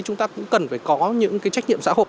chúng ta cũng cần phải có những cái trách nhiệm xã hội